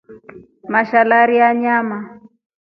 Mashalarii anyama.